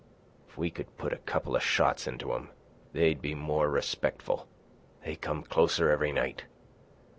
"If we could put a couple of shots into 'em, they'd be more respectful. They come closer every night.